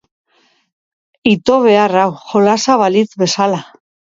Ito behar hau jolasa balitz bezala.